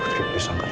putri aku nolak